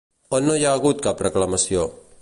On no hi ha hagut cap reclamació?